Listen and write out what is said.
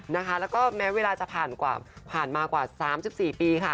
แล้วก็แม้เวลาจะผ่านมากว่า๓๔ปีค่ะ